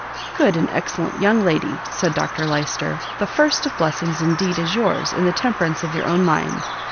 "Good and excellent young lady!" said Dr Lyster, "the first of blessings indeed is yours in the temperance of your own mind.